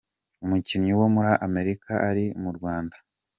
Umukinnyi wo muri America ari mu Rwanda